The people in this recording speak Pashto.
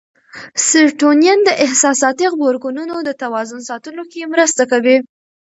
سېرټونین د احساساتي غبرګونونو د توازن ساتلو کې مرسته کوي.